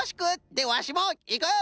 でわしもいく。